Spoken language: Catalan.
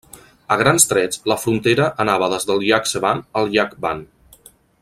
A grans trets la frontera anava des del Llac Sevan al Llac Van.